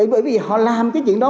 bởi vì họ làm cái chuyện đó